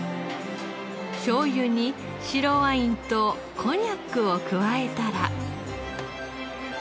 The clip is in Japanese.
しょうゆに白ワインとコニャックを加えたら。